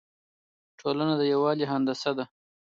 ټولنه د یووالي هندسه ده.